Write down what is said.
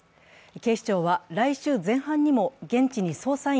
警視庁は来週前半にも現地に捜査員